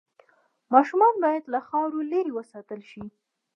ماشومان باید له خاورو لرې وساتل شي۔